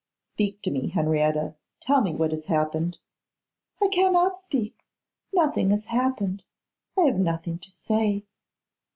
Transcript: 'Speak to me, Henrietta. Tell me what has happened.' 'I cannot speak; nothing has happened; I have nothing to say.